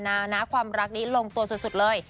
นะความรักนี้ลงตัวสุดเลย